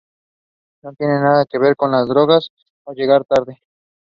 The video ends with band and fans are singing together cheerfully and moving on.